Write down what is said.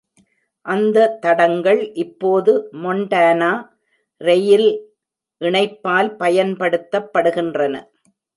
அந்த தடங்கள் இப்போது மொன்டானா ரெயில் இணைப்பால் பயன்படுத்தப்படுகின்றன.